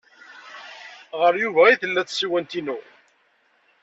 Ɣer Yuba ay tella tsiwant-inu.